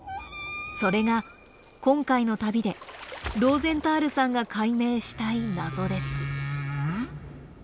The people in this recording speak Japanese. それが今回の旅でローゼンタールさんが解明したい謎です。